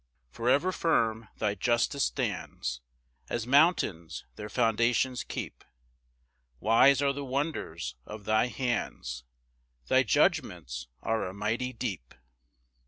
2 For ever firm thy justice stands, As mountains their foundations keep; Wise are the wonders of thy hands; Thy judgments are a mighty deep.